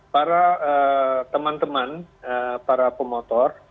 para teman teman para pemotor